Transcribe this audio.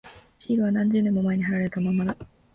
シールは何十年も前に貼られたままだ。